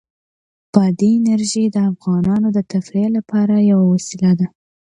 بادي انرژي د افغانانو د تفریح یوه وسیله ده.